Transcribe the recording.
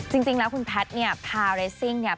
จริงแล้วคุณแพทย์เนี่ยพาเรสซิ่งเนี่ย